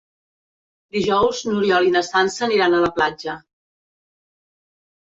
Dijous n'Oriol i na Sança aniran a la platja.